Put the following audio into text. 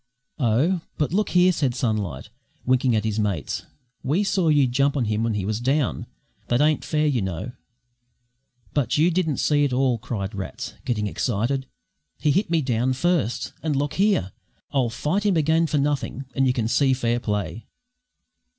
"Oh, But look here," said Sunlight, winking at his mates, "we saw you jump on him when he was down. That ain't fair, you know." "But you didn't see it all," cried Rats, getting excited. "He hit me down first! And look here, I'll fight him again for nothing, and you can see fair play."